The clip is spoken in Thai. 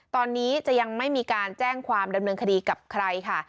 ตอนนี้จะยังไม่มีการแจ้งความดำเนินคดีกับใครค่ะ